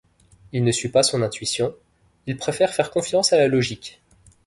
Il ne suit pas son intuition, il préfère faire confiance à la logique.